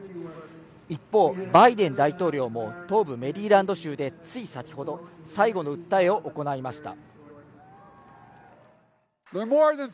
一方、バイデン大統領も東部メリーランド州でつい先程、最後の訴えを行いました。